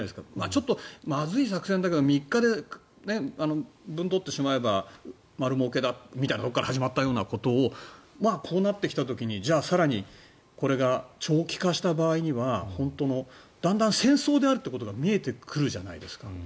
ちょっとまずい作戦だけど３日でぶんどってしまえば丸もうけだということから始まったこととこうなってきた時にこれが更に長期化した場合には本当の戦争であるってことが見えてくるじゃないですか。